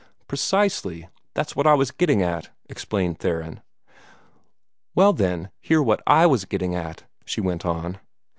"Precisely. That was what I was getting at," explained Theron. "Well, then, hear what I was getting at," she went on.